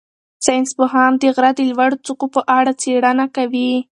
ساینس پوهان د غره د لوړو څوکو په اړه څېړنه کوي.